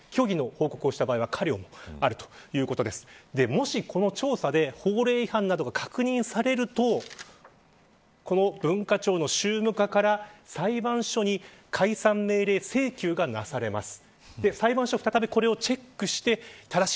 もし、この調査で法令違反などが確認されるとこの文化庁の宗務課から裁判所に解散命令請求がなされます。